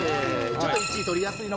ちょっと。